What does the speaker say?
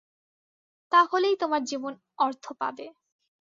তা হলেই তোমার জীবন অর্থ পাবে।